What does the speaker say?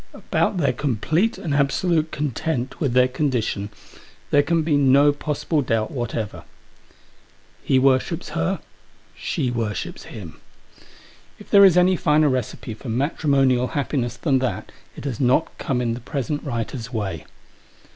About their complete and absolute content with their condition there can be no possible doubt whatever. He worships her ; she Digitized by 310 THE JOSS. worships him. If there is any finer recipe for matri monial happiness than that, it has not come in the present writer's way.